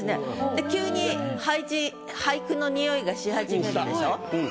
で急に俳句のにおいがしはじめるでしょ？